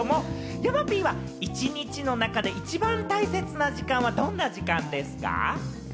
山Ｐは１日の中で一番大切な時間はどんな時間ですか？